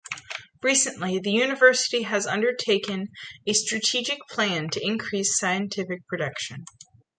Recently, the university has undertaken a strategic plan to increase scientific production.